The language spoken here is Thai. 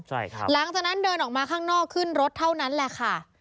ใช่ครับหลังจากนั้นเดินออกมาข้างนอกขึ้นรถเท่านั้นแหละค่ะ